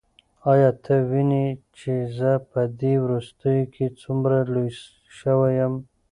ایا ته وینې چې زه په دې وروستیو کې څومره لوی شوی یم؟